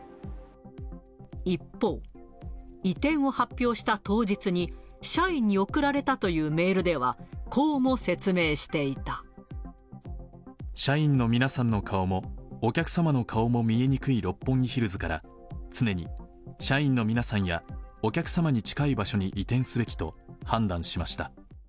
一方、移転を発表した当日に、社員に送られたというメールでは、こうも社員の皆さんの顔も、お客様の顔も見えにくい六本木ヒルズから、常に社員の皆さんやお客様に近い場所に移転すべきと判断しました。